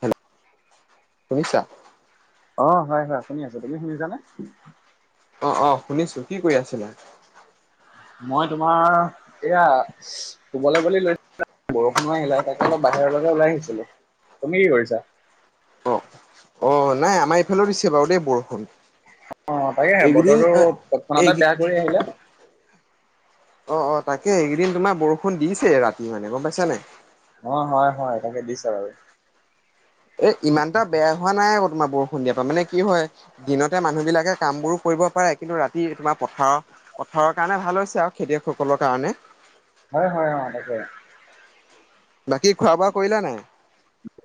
Hello শুনিছা। অ হয় হয় শুনি আছো। তুমি শুনিছানে? অ অ শুনিছো কি কৰি আছিলা। মই তোমাৰ এয়া সি ই ই শুবলৈ বুলি লৈছিলো। বৰষুণৰ হিলাই থাকে অলপ বাহিৰলৈকে ওলাই আহিছিলো। তুমি কি কৰিছা? অ অ অ নাই আমাৰ এইফালেও দিছে বাৰু দেই বৰষুণ। অঁ অ তাৰেহে এইকেইদিন বতৰটো তৎক্ষণাতে এইকেই বেয়া কৰি আহিলে। অ অ তাকে এইকেইদিন তোমাৰ বৰষুণ দিছে ৰাতি মানে গম পাইছা নে। অ হয় হয় তাকে দিছে আৰু এ ইমানটা বেয়া হোৱা নাই আকৌ তোমাৰ বৰষুণ দিয়াৰ পৰা মানে কি হয়। দিনতে মানুহ বিলাকে কামবোৰো কৰিব পাৰে কিন্তু ৰাতি তোমাৰ পথাৰ। পথাৰৰ কাৰণে ভাল হৈছে আৰু খেতিয়কসকলৰ কাৰণে। হয় হয় অ তাকে। বাকী খোৱা-বোৱা কৰিলা নাই।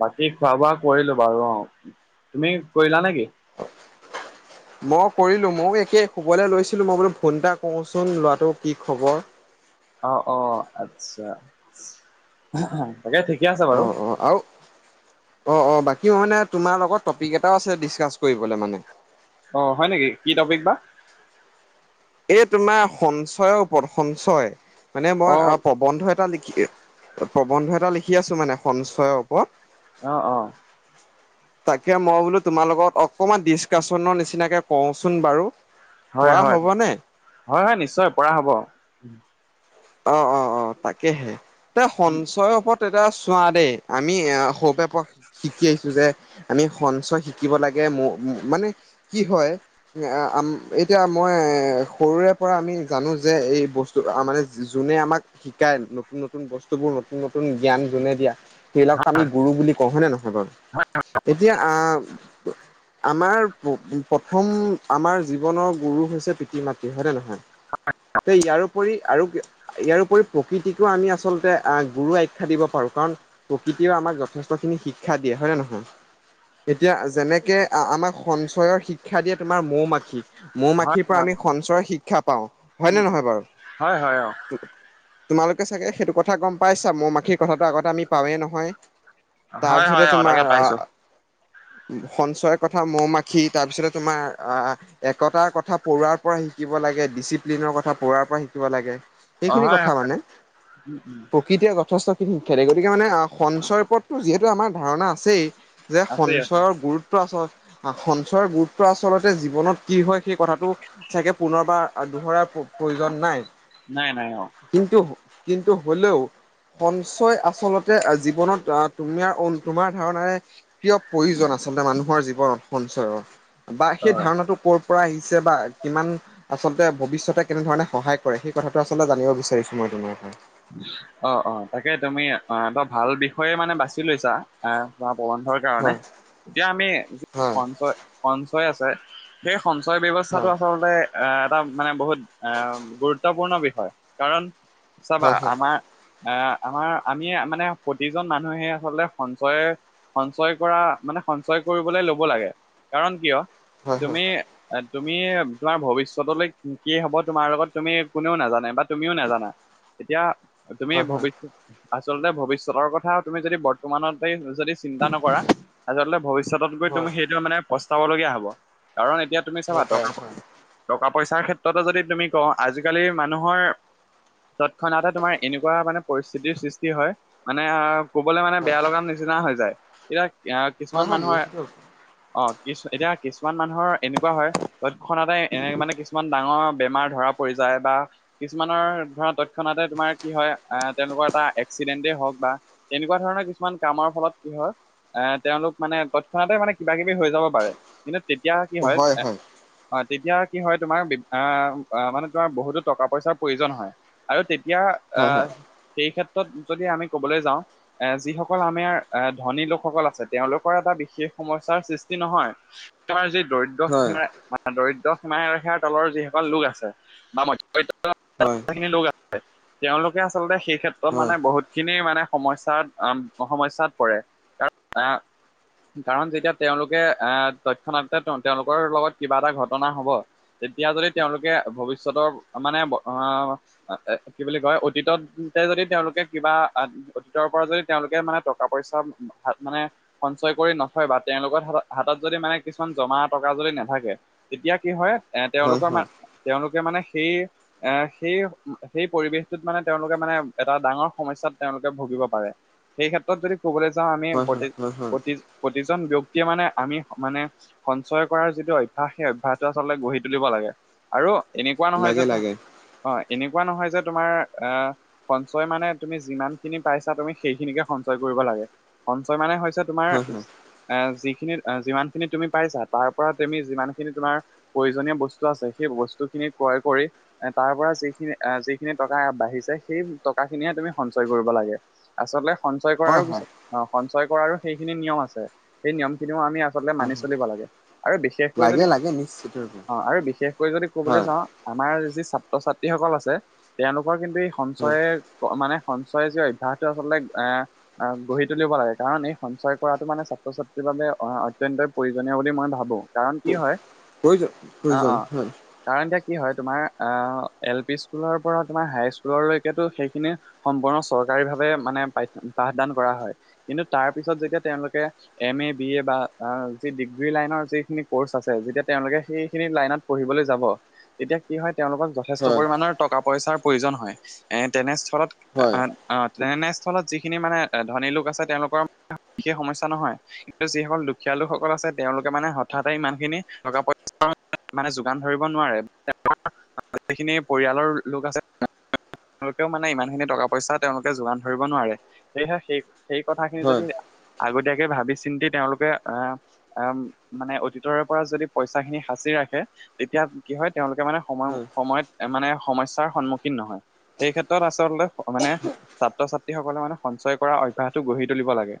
বাকী খোৱা-বোৱা কৰিলো বাৰু অ তুমি কৰিলা নেকি। [unintelligible] মই কৰিলোঁ ময়ো একেই শুবলৈ লৈছিলোঁ মই বোলো ফোন এটা কওঁচোন ল'ৰাটো কি খবৰ। অ অ আচ্ছা ইস্ অহঃ অহঃ তাকে ঠিকে আছে বাৰু। অঁ অঁ বাকীও মানে তোমাৰ লগত টপিক এটাও আছে ডিচকাচ কৰিবলৈ মানে। অ হয় নেকি কি টপিক বা। এই তোমাৰ সঞ্চয়ৰ ওপৰত সঞ্চয় মানে মই অ পপ। প্ৰবন্ধ এটা লিখি প্ৰবন্ধ এটা লিখি আছো মানে সঞ্চয়ৰ ওপৰত। অঁ অ। তাকে মই বোলো তোমাৰ লগত অকমান ডিচকাচনৰ নিচিনাকে কওঁচোন বাৰু হয় পৰা হয় হ'বনে? হয় হয় নিশ্চয় পৰা হ'ব। অ অ অ তাকেহে তে সঞ্চয়ৰ ওপৰত কিন্তু এতিয়া চোৱা দেই আমি এ সৌপে প। শিকি আহিছো যে আমি সঞ্চয় শিকিব লাগে ম উম মানে কি হয়। এয়া আম এতিয়া মই সৰুৰে পৰা আমি জানো যে এই বস্তু আ মানে। যোনে আমাক শিকায় নতুন নতুন বস্তুবোৰ নতুন নতুন জ্ঞান যোনে দিয়া সেইবিলাক আমি গুৰু বুলি কওঁ হয় নে নহয় বাৰু। হয় অ অ। তেতিয়া আ আ আ ব। আমাৰ প উম প্ৰথম আমাৰ জীৱনৰ গুৰু হৈছে পিতৃ-মাতৃ হয়নে নহয়। তে ইয়াৰপৰি আৰু কি ইয়াৰপৰি প্ৰকৃতিকো আমি আচলতে আহ গুৰু আখ্যা দিব পাৰো কাৰণ প্ৰকৃতিয়ও আমাক যথেষ্টখিনি শিক্ষা দিয়ে হয় নে নহয়। এতিয়া যেনেকে আ আমাৰ সঞ্চয়ৰ শিক্ষা দিয়ে তোমাৰ মৌ-মাখিক। হয়, মৌ-মাখিৰ পৰা হয়, আমি সঞ্চয়ৰ শিক্ষা পাওঁ হয় নে উম, নহয় বাৰু। হয় হয় অ। উম উ তোমালোকে চাগে সেইটো কথা গম পাইছা মৌ-মাখিৰ কথাটো আগতে আমি পাৱেই নহয়। হয়, তাৰপিছতে হয়, অ', তাকে তোমাৰ পাইছো আহ আ। সঞ্চয়ৰ কথা মৌ-মাখি তাৰপিছতে তোমাৰ আহ আ একতাৰ কথা পৰুৱাৰ পৰা শিকিব লাগে। ডিচিপ্লিনৰ কথা পঢ়াৰ পৰা শিকিব লাগে। অ', এইখিনি হয়, কথা হয়, মানে, উম, উম। প্ৰকৃতিয়ে যথেষ্ট গতিকে মানে সঞ্চয়ৰ ওপৰতো যিহেতু আমাৰ ধাৰণা আছেই, যে আছে আছে সঞ্চয়ৰ গুৰুত্ সেইটো আচল সা সঞ্চয়ৰ গুৰুত্ব আচলতে জীৱনত কি হয় সেই কথাটো চাগে পুনৰবাৰ আৰ দোহৰাৰ প প্ৰয়োজন নাই। নাই নাই অ। কিন্তু কিন্তু হলেও। সঞ্চয় আচলতে জীৱনত আহ তুমিয়া ঔন তোমাৰ ধাৰণাৰে। কিয় প্ৰয়োজন আচলতে মানুহৰ জীৱনত সঞ্চয়ৰ বা অ সেই ধাৰণাটো কৰ। পৰা আহিছে বা কিমান আচলতে ভৱিষ্যতে কেনেধৰণে সহায় কৰে সেই কথা। টো আচলতে জানিব বিচাৰিছো মই তোমাৰ পৰা। অ অ তাকে তুমি অ এটা ভাল বিষয়ে মানে বাছি লৈছা। আহ গ প্ৰবন্ধৰ কাৰণে, হয় এতিয়া আমি যি হয় সঞ্চয় সঞ্চয় আছে সেই সঞ্চয় ব্যৱস্থাটো হয় আচলতে এটা মানে বহুত গুৰুত্বপূৰ্ণ বিষয় কাৰণ চাবা হয় হয় আমাৰ আহ আমাৰ আমি মানে প্ৰতিজন মানুহে আচলতে সঞ্চয় সঞ্চয় কৰা মানে সঞ্চয় কৰিবলে লব লাগে, কাৰণ কিয় হয় হয় তুমি তুমি তোমাৰ ভৱিষ্যতলৈ কি কি হব তোমাৰ লগত তুমি কোনেও নাজানে বা তুমিও নাজানা এতিয়া তুমি হয় হয় ভৱিষত আচলতে ভৱিষ্যতৰ কথা তুমি যদি বৰ্তমানতে যদি চিন্তা নকৰা আচলতে ভৱিষ্যতত গৈ হয় তুমি সেইটো মানে প্ৰস্তাবলগীয়া হ'ব, কাৰণ এতিয়া তুমি হ'ব চাবা পাৰে টকা হয় টকা পইচাৰ ক্ষেত্ৰতে যদি তুমি কওঁ আজিকালি মানুহৰ তৎক্ষণাতে তোমাৰ এনেকুৱা মানে পৰিস্থিতিৰ সৃষ্টি হয় মানে আহ কবলৈ মানে হয় বেয়া লগা নিচি নিচিনা হৈ যায়, এতিয়া আহ হয় কিছুমান হয় মানুহৰ নিশ্চিত হয় অ কিছু এতিয়া কিছুমান মানুহৰ এনেকুৱা হয় তৎক্ষণাতে এনে মানে কিছুমান ডাঙৰ বেমাৰ ধৰা পৰি যায় বা কিছুমানৰ ধৰা তক্ষণাতে তোমাৰ কি হয় আহ তেওঁলোকৰ এটা এক্সিডেন্টেই হওক বা এনেকুৱা ধৰণৰ কিছুমান কামৰ ফলত কি হয় এ তেওঁলোক মানে তৎক্ষণাতে মানে কিবা কিবি হৈ যাব পাৰে। কিন্তু তেতিয়া কি হয় এ অ তেতিয়া কি হয় তোমাৰ আ আ মানে তোমাৰ বহুতো টকা পইচাৰ প্ৰয়োজন হয়। আৰু তেতিয়া হয় হয় আহ সেই ক্ষেত্ৰত যদি আমি কবলে যাওঁ এ যিসকল আমেৰ এ ধনী লোকসকল আছে তেওঁলোকৰ এটা বিশেষ সমস্যাৰ সৃষ্টি নহয় তাৰ যে দৰিদ হয় ম দৰিদ্ৰ সীমা ৰেখাৰ তলৰ যিসকল লোক আছে বা মধ্যবিত্ত হয়। লোক আছে তেওঁলোকে আচলতে সেই ক্ষেত্ৰত মানে বহুত খিনি মানে সমস্যাত সমস্যাত পৰে। তাত আ কাৰণ যেতিয়া তেওঁলোকে আহ তৎক্ষণাতে ত তেওঁলোকৰ লগত কিবা এটা ঘটনা হব তেতিয়া যদি তেওঁলোকে ভৱিষ্যতৰ মানে অ এ কি বুলি কয় অতীততে যদি তেওঁলোকে কিবা আত অতীতৰ পৰা যদি তেওঁলোকে মানে টকা পইচা মানে সঞ্চয় কৰি নথয় বা তেওঁলোকৰ হাতত হাতত যদি মানে কিছুমান জমা টকা যদি নাথাকে তেতিয়া কি হয় এ তেওঁলোকৰ হয় মান তেওঁলোকে মানে সেই এহ সেই সেই পৰিৱেশটোত মানে তেওঁলোকে মানে এটা ডাঙৰ সমস্যাত তেওঁলোকে ভুগিব পাৰে। সেই ক্ষেত্ৰত যদি কবলৈ যাওঁ আমি হয় প্ৰতি হয় হয় হয় প্ৰতি প্ৰতিজন ব্যক্তিয়ে মানে আমি মানে সঞ্চয় কৰাৰ যিটো অভ্যাস সেই অভ্যাসটো আচলতে গঢ়ি তুলিব লাগে, আৰু এনেকুৱা নহয় যে লাগে তোম লাগে অ এনেকুৱা নহয় যে তোমাৰ আ সঞ্চয় মানে তুমি যিমান খিনি পাইছা তুমি সেইখিনিকে সঞ্চয় কৰিব লাগে, সঞ্চয় মানে হৈছে যে তোমাৰ হয় হয় এহ যিখিনি যিমান খিনি তুমি পাইছা তাৰ পৰা তুমি যিমান খিনি তোমাৰ প্ৰয়োজনীয় বস্তু আছে, সেই বস্তু খিনি ক্ৰয় কৰি এ তাৰ পৰা যিখিনি এ যিখিনি টকা বাঢ়িছে সেই টকাখিনিয়ে তুমি সঞ্চয় কৰিব লাগে। আচলতে সঞ্চয় কৰাৰো হয় হয় পিছত অ সঞ্চয় কৰাৰো সেইখিনি নিয়ম আছে সেই নিয়ম খিনিও আমি আ- হয় মানি হয় চলিব লাগে আৰু বিশেষকৈ লাগে যদি লাগে নিশ্চিত ৰূপে অ আৰু বিশেষকৈ যদি ক'বলৈ হয় যাওঁ। আমাৰ যি ছাত্ৰ ছাত্ৰীসকল আছে তেওঁলোকৰ কিন্তু এই হয় সঞ্চয়ে মানে সঞ্চয় যি অভ্যাসটো আচলতে এহ আহ গঢ়ি তুলিব লাগে, কাৰণ এই সঞ্চয় কৰাটো মানে ছাত্ৰ ছাত্ৰীৰ বাবে অত্যন্তই প্ৰয়োজনীয় বুলি মই ভাবো। কাৰণ কি হয়, প্ৰয়োজন অ অ প্ৰয়োজন হয় কাৰণ এতিয়া কি হয় তোমাৰ আহ এল পি স্কুলৰ পৰা তোমাৰ হাই স্কুললৈকেতো সেইখিনি সম্পূৰ্ণ চৰকাৰী ভাৱে মানে পাঠ পাঠদান কৰা হয়, কিন্তু তাৰ পিছত যেতিয়া তেওঁলোকে এম এ, বি এ বা যি ডিগ্ৰী লাইনৰ যিখিনি কৰ্চ আছে যেতিয়া তেওঁলোকে সেইখিনি লাইনত পঢ়িবলৈ যাব, তেতিয়া কি হয় তেওঁলোকক যথেষ্ট হয় পৰিমাণৰ টকা পইচাৰ প্ৰয়োজন হয়। এ তেনেস্থলত অ হয় অ তেনেস্থলত যিখিনি মানে এ ধনী লোক আছে তেওঁলোকৰ বিশেষ সমস্যা নহয়। কিন্তু যিসকল দুখীয়া লোকসকল আছে তেওঁলোকে মানে হঠাতে ইমান খিনি টকা পইচা মানে যোগান ধৰিব নোৱাৰে। যিখিনি পৰিয়ালৰ লোক আছে। তেওঁলোকেও মানে ইমান খিনি টকা পইচা তেওঁলোকে যোগান ধৰিব নোৱাৰে সেয়েহে সেই সেই কথাখিনি যদি হয় আগতীয়াকে ভাবি চিন্তি তেওঁলোকে এ অ মানে অতীতৰ পৰা যদি পইচা খিনি সাঁচি ৰাখে। তেতিয়া কি হয় তেওঁলোকে মানে সময় হয় সময়ত মানে সমস্যাৰ সন্মুখীন নহয় সেই ক্ষেত্ৰত আচলতে মানে ছাত্ৰ ছাত্ৰীসকলে মানে সঞ্চয় কৰা অভ্যাসটো গঢ়ি তুলিব লাগে।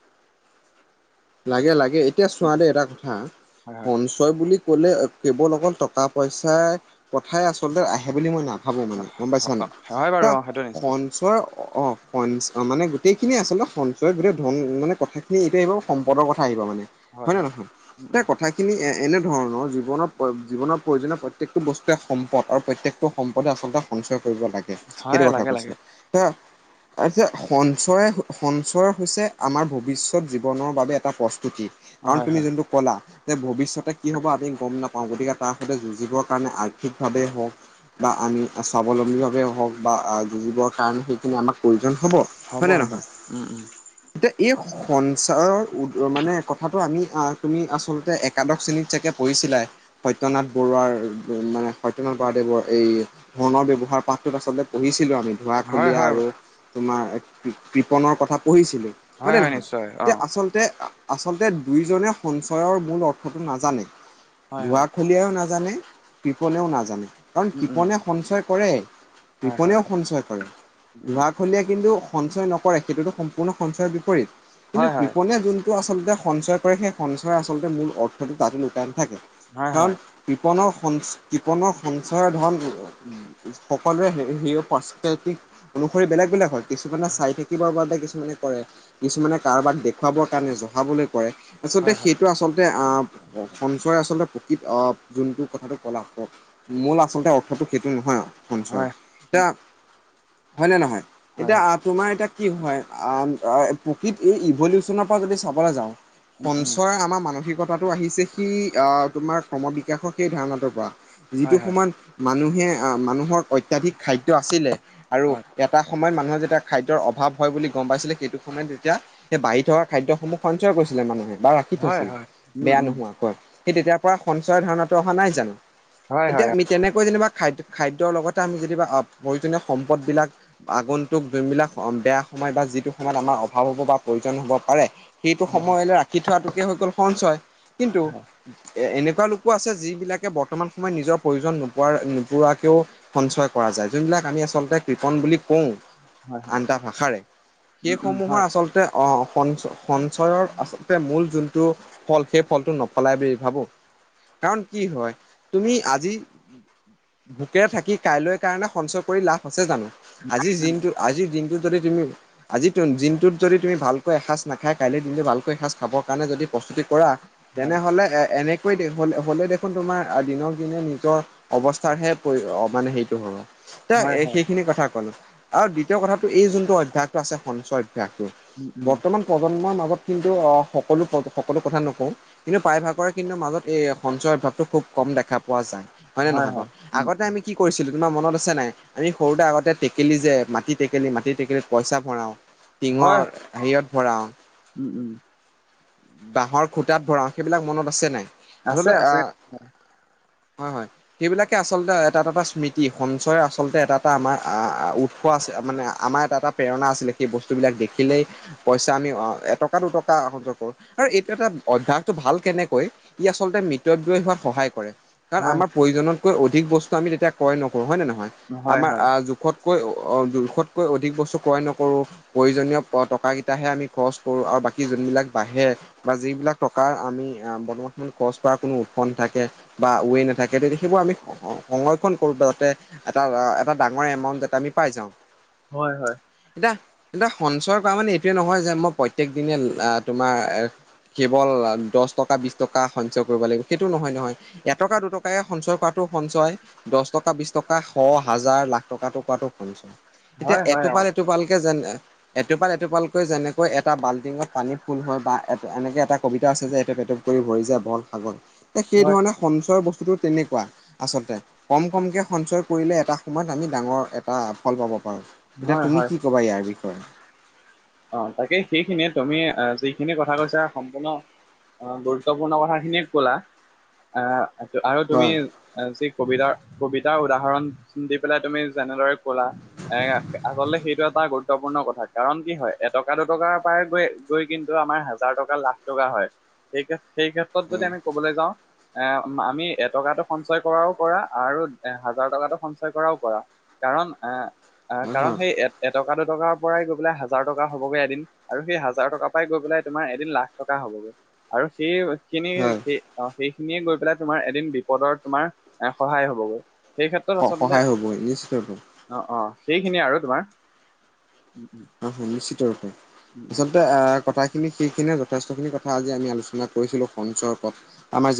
লাগে লাগে এতিয়া উম, চোৱা উম, দে এটা কথা হয় হয় সন- ছয় বুলি ক'লে কেৱল অকল টকা পইচাৰ কথাই আচলতে আহে বুলি মই না- ভাবো মানে অহ, গম পাইছা নাই হয় বাৰু তা, অ সেইটো নিশ্চয় সন- সঞ্চয় অ স মানে গোটেইখিনিয়ে আচলতে সঞ্চয় গোটেই ধন মানে কথাখিনি এইটে বাও সম্পদৰ কথা আহিব মানে হয় নে নহয় উম, তে উম, কথা- খিনি এ এনেধৰণৰ জীৱনৰ জীৱনৰ প্ৰয়োজনীয় প্ৰত্যেকটো বস্তুৱে সম্পদ আৰু প্ৰত্যেকটো সম্পদে আচলতে সঞ্চয় কৰিব লাগে সেইটো হয় কথা লাগে কৈছো। লাগে হে এ যে সঞ্চয় সঞ্চয় হৈছে আমাৰ ভৱিষ্যত জি- বনৰ বাবে এটা প্ৰস্তুতি কাৰণ হয় তুমি হয় যোনটো কলা। যে ভৱিষ্যতে কি হ'বা আমি গম নাপাওঁ গতিকে তাৰ সৈতে যুঁজিবৰ কাৰণে আৰ্থিকভাৱেই হওক। বা আমি স্বাৱলম্বীভাৱে হওক বা যুঁজিবৰ কাৰণে সেইখিনি আমাক প্ৰয়োজন হব হ'ব হয় নে হ'ব নহয় উম, উম, এতিয়া এই সন- ছাৰৰ ওদ মানে কথাটো আমি তুমি আচলতে একাদশ শ্ৰেণীত চাগে পঢ়িছিলাই। সত্য নাথ বৰুৱাৰ মানে সত্য নাথ বৰাদেৱৰ এই ধণৰ ব্যৱহাৰ পাঠটোত আচলতে পঢ়িছিলো আমি। হয় ধোঁৱাখুলীয়া হয় আৰু তোমাৰ কৃপনৰ কথা পঢ়িছিলোঁ। হয় হয় নিশ্চয়। অ তে আচলতে আচলতে দুয়োজনে সঞ্চয়ৰ মূল অৰ্থটো নাজানে। হয় হয় ধোঁৱাখুলিয়াইও নাজানে কৃপনেও নাজানে কাৰণ উম উম কিপনে সঞ্চয় কৰে। হয় হয় কৃপনেও সঞ্চয় কৰে, উম ধোঁৱাক- খলীয়া কিন্তু সঞ্চয় নকৰে সেইটোতো সম্পূৰ্ণ সঞ্চয়ৰ বিপৰীত। কিন্তু হয় হয় কৃপনে যোনটো আচলতে সঞ্চয় কৰে সেই সঞ্চয় আচলতে মূল অৰ্থটো তাতো লুকাই নাথাকে। হয় কাৰণ কৃপনৰ সঞ্চ কৃপনৰ সঞ্চয় ধন সকলোৰে সেই পাৰ্চকেল তিক অনুসৰি বেলেগ বেলেগ হয়। কিছুমানে চাই থাকিবৰ বাবে কিছুমানে কৰে কিছুমানে কাৰোবাক দেখুৱাবৰ কাৰণে জহাবলৈ কৰে। আচলতে হয় হয় সেইটো আচলতে আহ, সঞ্চয় আচলতে প্ৰকৃত যোনটো কথাটো কলা মোল আচলতে অৰ্থটো সেইটো নহয়। সঞ্চয় তা হয় নে নহয়, হয় এতিয়া হয় আপ তোমাৰ এতিয়া কি হয়, আম', -আহ', প্ৰকৃত এই ইভলিউচনৰ পৰা যদি চাবলৈ যাওঁ', উম সঞ্চয় আমাৰ মানসিকতা', কথাটো আহিছে, সিই আহ', তোমাৰ সমবিকাশৰ সেই ধাৰণাটোৰ পৰা, যিটো হয় হয় সময়ত', মানুহে এ মানুহৰ অত্যাধিক খাদ্য আছিলে আৰু এটা সময়ত মানুহে যেতিয়া খাদ্যৰ অভাৱ হয় বুলি গম পাইছিলো সেইটো সময়ত তেতিয়া সেই বাঢ়ি থকা খাদ্যসমূহ সঞ্চয় কৰিছিলে মানুহে। বাৰ ৰাখি থৈছিল উম বেয়া উম নোহোৱা কৈ। সেই তেতিয়াৰ পৰা সঞ্চয় ধাৰণাটো অহা নাই জানোঁ? হয় এতিয়া হয় হয় আমি', তেনেকৈ যেনিবা খাদ্য, খাদ্যৰ লগতে আমি যেনিবা অপ', প্ৰয়োজনীয় সম্পদবিলাক', আগন্তুক যোনবিলাক অ', বেয়া সময় বা যিটো সময়ত আমাৰ', অভাৱ হ'ব বা প্ৰয়োজন হ'ব পাৰে সেইটো সময়লৈ ৰাখি থোৱাটোকে হৈ গ'ল সঞ্চয়। কিন্তু এ', এনেকুৱা লোক', লোক আছে, যিবিলাকে বৰ্তমান সময়ত নিজৰ প্ৰয়োজন নোপোৱা', নোপোৱাকেও', সঞ্চয় কৰা যায়, যোনবিলাক আমি আচলতে কৃপন বুলি কওঁ। হয় হয় আনটা ভাষাৰে, উম উম সেইসমূহৰ হয় আচলতে অহ', সঞ্চ', - সঞ্চয়ৰ', মূল যোনটো ফল সেই ফলটো নফলাই বুলি ভাবোঁ', কাৰণ কি হয়, তুমি আজি', ভূকে থাকি কাইলৈৰ কাৰণে সঞ্চয় কৰি লাভ আছে জানোঁ? আজিৰ দিনটো, আজিৰ দিনটোত যদি তুমি, আজি দিনটোত', যদি তুমি ভালকৈ এসাঁজ নাখায়, কাইলৈ দিনটো ভালকৈ এসাঁজ খাবৰ কাৰণে যদি প্ৰস্তুতি কৰা', হয় হয় তেনেহলে এ', এনেক', কৈ দে হ'লে', হ'লে দেখোন তোমাৰ দিনক দিনে নিজৰ অৱস্থাৰহে হেৰি, মানে হেইটো হ'ব', পুৰা হয় হয় এ', হয় সেইখিনি কথা ক'লো, আৰু দ্বিতীয় কথাটো এই যোনটো অভ্যাসটো আছে সঞ্চয় অভ্যাসটো? উম উম হয় উম হয় হয় হয় উম উম বৰ্তমান প্ৰজন্মৰ মাজত কিন্তু আহ', সকলো, সকলো কথা নকওঁ', কিন্তু প্ৰায়ভাগৰে কিন্তু মাজত এই সঞ্চয় অভ্যাসটো খুব কম দেখা পোৱা যায়। হয় নে নহয় বাৰু, আগতে আমি কি কৰিছিলোঁ তোমাৰ মনত আছে নাই? আমি সৰুতে আগতে টেকেলি যে, মাটি টেকেলি, মাটি টেকেলত পইচা ভৰাও', হয় টিঙৰ হেৰিয়ত ভৰাও', উম উম বাঁহৰ খুটাত ভৰাও, সেইবিলাক মনত আছে নাই? আছে আচলতে আছে আহ', হয়', - হয়', সেইবিলাকে আচলতে এটা- এটা স্মৃতি, সঞ্চয় আচলতে এটা -এটা আমাৰ অ', -অ', উৎস আছে মানে আমাৰ এটা- এটা প্ৰেৰণা আছিলে, সেই বস্তুবিলাক দেখিলেই', পইচা আমি অহ', এটকা, দুটকা সঞ্চয় কৰো, আৰু এইটো এটা অভ্যাসটো ভাল কেনেকৈ', ই আচলতে মতৱ্যয় হোৱাত সহায় কৰে। কাৰণ হয় আমাৰ প্ৰয়োজনতকৈ অধিক বস্তু আমি তেতিয়া ক্ৰয় নকৰোঁ হয় নে নহয়, হয় আমাৰ হয় অ', জোখত', কৈ অহ', জোখতকৈ অধিক বস্তু ক্ৰয় নকৰোঁ, প্ৰয়োজনীয়', টকাকেইটাহে আমি খৰচ কৰোঁ, আৰু বাকী যোনবিলাক বাহে', বা যিবিলাক টকাৰ আমি বৰ্তমান সময়ত খৰচ কৰা কোনো উৎস নাথাকে', বা ওৱে নাথাকে তেতিয়া দেখিব আমি, স', -স', -স', - সংৰক্ষণ কৰোঁ যাতে', এটা, এটা ডাঙৰ এমাউণ্ট এটা আমি পাই যাওঁ। হয়', হয়',। এতিয়া, এতিয়া সঞ্চয় কৰা মানে এইটোৱে নহয় যে মই প্ৰত্যেক দিনে লা', আহ', তোমাৰ', কেৱল দহ টকা, বিশ টকা সঞ্চয় কৰিব লাগিব, সেইটো নহয় নহয় এটকা দুটকে সঞ্চয় কৰা', সঞ্চয়, দহ টকা, বিশ টকা, শ, হাজাৰ, লাখ টকাটো কোৱাটো সঞ্চয়। এতিয়া হয় হয় অ এটোপাল এটো পালকে যেন', এটোপাল, এটোপালকৈ যেনেকৈ এটা বাল্টিঙত পানীত ফুল হয়, বা এনেকে এটা কবিতা আছে যে, এটোপ এটোপ', হে ভৰি যায় বন সাগৰ, সেই হয় ধৰণে সঞ্চয়ৰ বস্তুতটো তেনেকুৱা। আচলতে কম -কমকৈ সঞ্চয় কৰিলে এটা সময়ত আমি ডাঙৰ এটা ফল পাব পাৰোঁ। এতিয়া হয় তুমি হয় কি কবা ইয়াৰ বিষয়ে? অ', তাকেই সেইখিনিয়ে তুমি অহ', যিখিনি কথা কৈছা সম্পূৰ্ণ', অহ', গুৰুত্বপূৰ্ণ কথা খিনিয়ে ক'লা আহ', আৰু তুমি হয়, যি কবিতাৰ, কবিতাৰ উদাহৰণ দি পেলাই তুমি', যেনেদৰে ক'লা এ', আচলতে সেইটো এটা গুৰুত্বপূৰ্ণ কথা, কাৰণ কি হয়? এটকা দুটকাৰ পৰাই গৈ', - গৈ কিন্তু আমাৰ হাজাৰ টকা লাখ টকা হয়', সেই', -সেই ক্ষেত্ৰত', কত যদি হয়, আমি ক'বলে যাওঁ। এ', আমি এটকাটো সঞ্চয় কৰাও কৰা, আৰু হাজাৰ টকাটো সঞ্চয় কৰাও কৰা। কাৰণ এহ এহ হয়, কাৰণ হয়, সেই এ এটকা দুটকাৰ পৰাই গৈ পেলাই হাজাৰ, টকা হ'বগে এদিন, আৰু সেই হাজাৰ টকা পৰাই গৈ পেলাই তোমাৰ এদিন লাখ টকা হ'বগে, আৰু সেই খিনিৰ হয়। সেই অ সেইখিনিয়ে গৈ পেলাই তোমাৰ এদিন বিপদৰ তোমাৰ এ সহায় হ'বগে। সেই ক্ষেত্ৰত আচলতে, সহায় হ'ব নিশ্চিতৰূপে, অ অ সেইখিনিয়ে আৰু তোমাৰ, উম' উম' অ নিশ্চিত ৰূপে উম উম আচলতে এহ কথা খিনি সেইখিনিয়ে যথেষ্ট খিনি কথা আজি আমি আলোচনা কৰিছিলো সঞ্চয়ৰ ওপৰত, আমাৰ যি